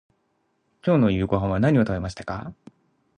今日の夕ごはんは何を食べましたか。